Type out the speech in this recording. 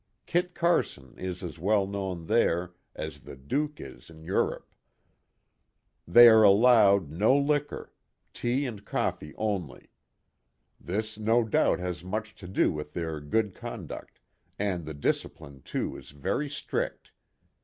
Kit Carson is as well known there as the Duke is in Europe. ... They are altowed no liquor, tea and coffee only ; this no doubt has much to do with their good conduct, and the discipline too is very strict.